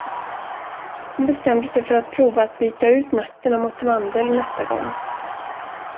Hon bestämde sig för att prova att byta ut nötterna mot mandel nästa gång.